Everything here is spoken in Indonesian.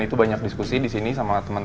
gue gak suka banget